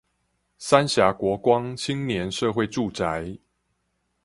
三峽國光青年社會住宅